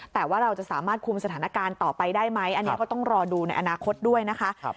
แต่ว่าเราจะสามารถคุมสถานการณ์ต่อไปได้ไหมอันนี้ก็ต้องรอดูในอนาคตด้วยนะคะ